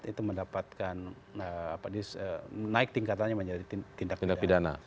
itu mendapatkan naik tingkatannya menjadi tindak pidana